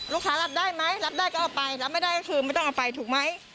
รับได้ไหมรับได้ก็เอาไปรับไม่ได้ก็คือไม่ต้องเอาไปถูกไหม